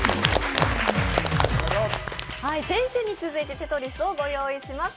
先週に続いて「テトリス」をご用意しました。